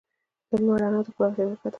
د لمر رڼا د قدرت یوه نښه ده.